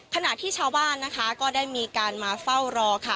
ขณะที่ชาวบ้านนะคะก็ได้มีการมาเฝ้ารอค่ะ